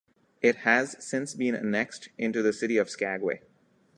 It has since been annexed into the city of Skagway.